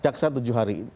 caksa tujuh hari